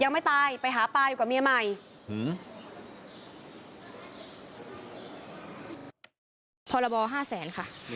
ยังไม่ตายไปหาป้าอยู่กับเมียใหม่